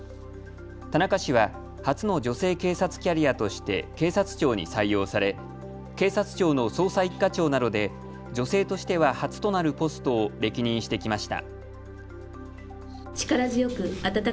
田中氏は初の女性警察キャリアとして警察庁に採用され、警察庁の捜査一課長などで女性としては初となるポストを歴任してきました。